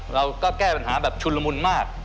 เราก็แก้ปัญหาแบบชุนละมุนมาก